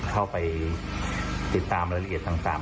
เข้าไปติดตามรายละเอียดต่าง